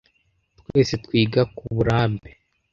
Twese twiga kuburambe.